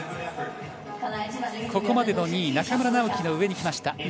ここまでの２位中村直幹の上に来ました。